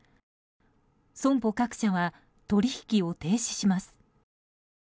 損保各社は取引を停止します。